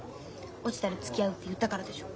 落ちたらつきあうって言ったからでしょ。